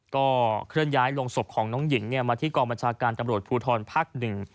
ก็เคลื่อนย้ายลงศพของน้องหญิงมาที่กองบัญชาการตำรวจภูทรภักดิ์หนึ่ง